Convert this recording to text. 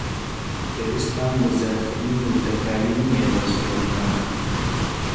پێویستمان بە زیادکردنی وردەکاری نییە بۆ چیرۆکەکەمان.